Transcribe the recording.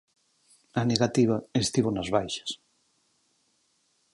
A negativa estivo nas baixas.